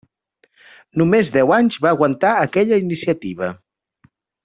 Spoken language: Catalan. Només deu anys va aguantar aquella iniciativa.